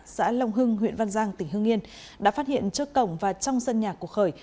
xã long hưng huyện văn giang tỉnh hưng yên đã phát hiện trước cổng và trong sân nhà của khởi